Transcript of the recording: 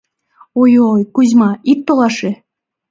— Ой-ой, Кузьма, ит толаше!